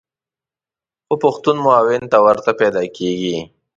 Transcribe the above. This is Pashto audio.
خو پښتون معاون نه ورته پیدا کېږي.